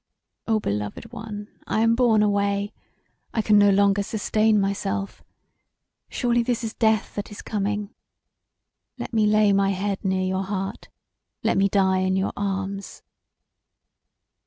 Oh! Beloved One, I am borne away; I can no longer sustain myself; surely this is death that is coming. Let me lay my head near your heart; let me die in your arms!"